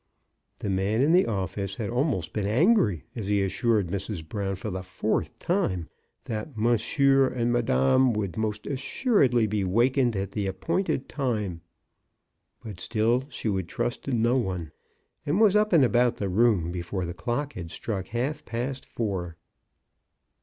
The man in the office had almost been angry as he assured Mrs. Brown for the fourth time that monsieur and madame would most assuredly be wakened at the ap pointed time. But still she would trust to no one, and was up and about the room before the clock had struck half past four.